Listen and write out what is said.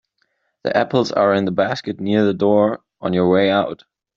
The apples are in the basket near the door on your way out.